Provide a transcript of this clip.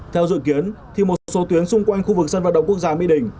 theo dự kiến thì một số tuyến xung quanh khu vực sân vận động quốc gia mỹ đình